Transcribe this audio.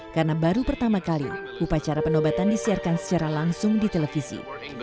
karena baru pertama kali upacara penobatan disiarkan secara langsung di televisi